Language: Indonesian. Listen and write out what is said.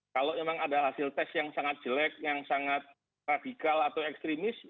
kalau memang ada hasil tes yang sangat jelek yang sangat radikal atau ekstremis